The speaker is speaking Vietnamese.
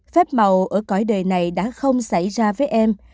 phép màu ở cõi đời này đã không xảy ra với em